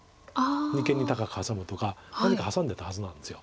二間に高くハサむとか何かハサんでたはずなんです。